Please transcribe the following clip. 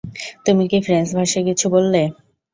তুমি কি ফ্রেঞ্চ ভাষায় কিছু বললে?